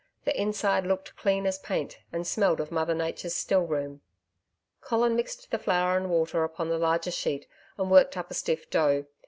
The inside looked clean as paint, and smelled of Mother Nature's still room. Colin mixed the flour and water upon the larger sheet and worked up a stiff dough.